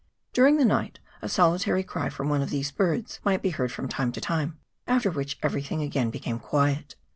During the night a solitary cry from one of these birds might be heard from time to time, after which everything again became quiet.